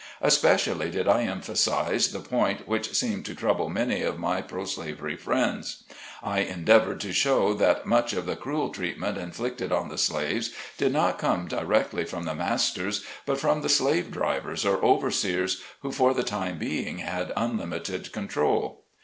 Espe cially did I emphasize the point which seemed to trouble many of my pro slavery friends. I endeav ored to show that much of the cruel treatment inflicted on the slaves did not come directly from the masters, but from the slave drivers or overseers, who for the time being had unlimited control.